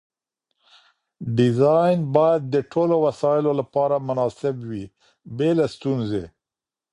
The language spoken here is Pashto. ډیزاین باید د ټولو وسایلو لپاره مناسب وي بې له ستونزې.